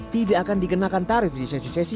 tidak akan dikenakan tarif di sesi sesi